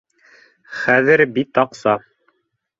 Хәҙер бит аҡса